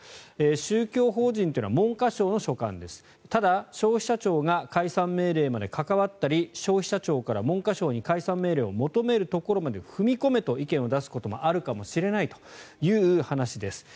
宗教法人というのは文科省の所管ですただ、消費者庁が解散命令まで関わったり消費者庁から文科省に解散命令を求めるところまで踏み込めと意見を出すこともあるかもしれないという話です。